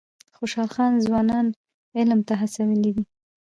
خوشحال خان ځوانان علم ته هڅولي دي.